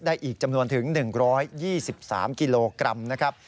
อีกจำนวนถึง๑๒๓กิโลกรัมนะครับ